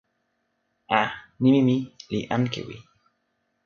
a, nimi mi li Ankewi.